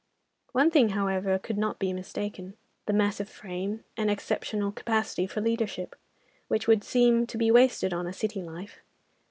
One thing, however, could not be mistaken—the massive frame and exceptional capacity for leadership, which would seem to be wasted on a city life.